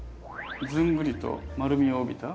ずんぐりと丸みを帯びた。